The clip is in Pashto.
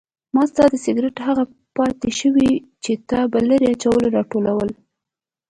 ما ستا د سګرټ هغه پاتې شوني چې تا به لرې اچول راټولول.